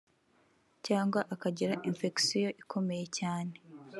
cyangwa akagira “infection” ikomeye cyane